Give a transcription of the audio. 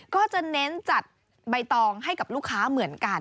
ก็จะเน้นจัดใบตองให้กับลูกค้าเหมือนกัน